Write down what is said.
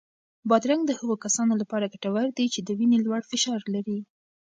بادرنګ د هغو کسانو لپاره ګټور دی چې د وینې لوړ فشار لري.